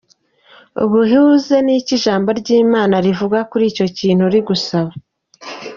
Ubihuze n'icyo ijambo ry'Imana rivuga kuri icyo kintu uri gusaba.